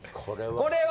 これは？